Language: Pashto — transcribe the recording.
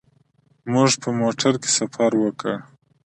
موږ په موټر کې سفر وکړ.